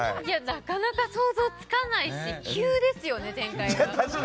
なかなか想像つかないし急ですよね、展開が。